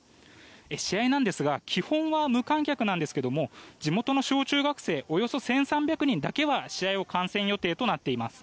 試合なんですが基本は無観客なんですが地元の小中学生およそ１３００人が試合を観戦予定となっています。